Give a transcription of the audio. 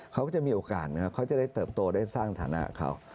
เขาก็จะมีโอกาสนะครับเขาจะได้เติบโตได้สร้างฐานะเขา